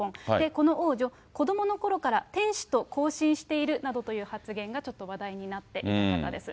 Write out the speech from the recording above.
この王女、子どものころから、天使と交信しているなどという発言がちょっと話題になっていた方です。